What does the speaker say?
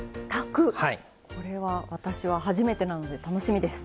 これは私は初めてなので楽しみです。